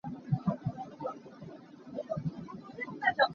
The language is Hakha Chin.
Kum kul a si cang nain a lung a fim rih lo.